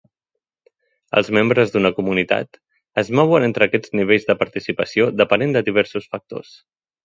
Els membres d'una comunitat es mouen entre aquests nivells de participació depenent de diversos factors.